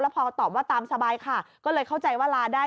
พอตอบว่าตามสบายค่ะก็เลยเข้าใจว่าลาได้